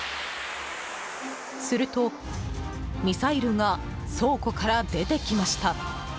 すると、ミサイルが倉庫から出てきました。